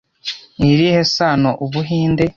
Ni irihe sano Ubuhinde